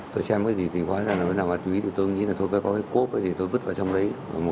tôi xem cái gì thì hóa ra là nó nằm ở tùy tôi nghĩ là thôi có cái cốp gì tôi vứt vào trong đấy